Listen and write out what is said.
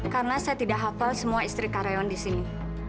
karena saya tidak hafal semua istri karyawan di sini